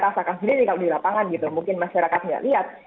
rasakan sendiri kalau di lapangan gitu mungkin masyarakat nggak lihat